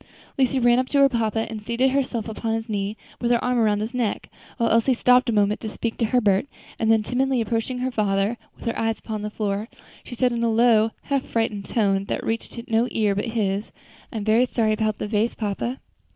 Lucy ran up to her papa and seated herself upon his knee with her arm around his neck; while Elsie stopped a moment to speak to Herbert, and then timidly approaching her father, with her eyes upon the floor, said in a low, half frightened tone, that reached no ear but his, "I am very sorry about the vase, papa."